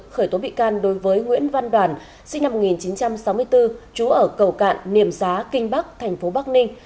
khởi tố bị can đối với nguyễn văn đoàn sinh năm một nghìn chín trăm sáu mươi bốn trú ở cầu cạn niềm xá kinh bắc thành phố bắc ninh